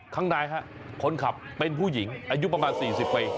ข้างในฮะคนขับเป็นผู้หญิงอายุประมาณ๔๐ปี